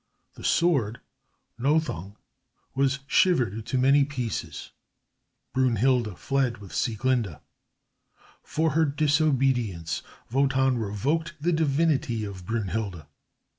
The sword, "Nothung," was shivered into many pieces. Brünnhilde fled with Sieglinde. For her disobedience Wotan revoked the divinity of Brünnhilde.